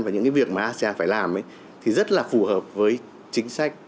và những cái việc mà asean phải làm thì rất là phù hợp với chính sách